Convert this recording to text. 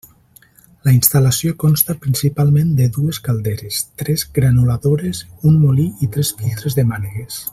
La instal·lació consta principalment de dues calderes, tres granuladores, un molí i tres filtres de mànegues.